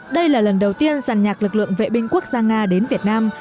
đây là lần đầu tiên giàn nhạc lực lượng vệ binh quốc gia nga đến việt nam